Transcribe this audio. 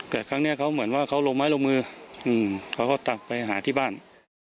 แต่ครั้งนี้เขาเหมือนว่าเขาลงไม้ลงมือเขาก็ตักไปหาที่บ้าน